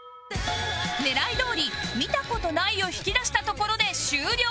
狙いどおり「見たことない」を引き出したところで終了